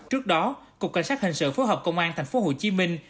trước đó cục cảnh sát hình sự phối hợp công an thành phố hồ chí minh